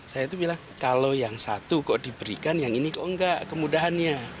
saya itu bilang kalau yang satu kok diberikan yang ini kok enggak kemudahannya